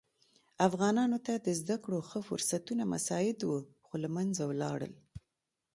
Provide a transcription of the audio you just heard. افغانانو ته د زده کړو ښه فرصتونه مساعد وه خو له منځه ولاړل.